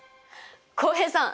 浩平さん！